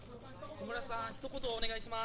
小室さん、ひと言お願いします。